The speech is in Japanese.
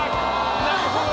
なるほど。